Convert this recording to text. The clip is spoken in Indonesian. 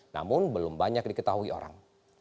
namun belum banyak diketahui orang